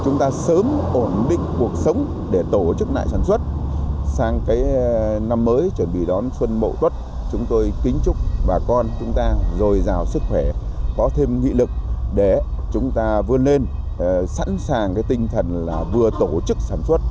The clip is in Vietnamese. năm mới chuẩn bị đón xuân mộ tuất chúng tôi kính chúc bà con chúng ta rồi giàu sức khỏe có thêm nghị lực để chúng ta vươn lên sẵn sàng tinh thần vừa tổ chức sản xuất